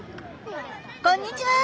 こんにちは。